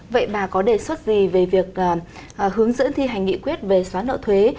vậy bà có đề xuất gì về việc hướng dẫn thi hành nghị quyết về xóa nợ thuế